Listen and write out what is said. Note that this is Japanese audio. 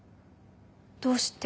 どうして？